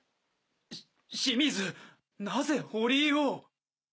し清水なぜ堀井を。